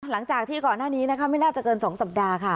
หลังจากที่ก่อนหน้านี้นะคะไม่น่าจะเกิน๒สัปดาห์ค่ะ